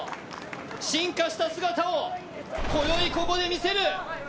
進化した姿をこよい、ここで見せる。